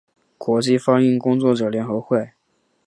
国际翻译工作者联合会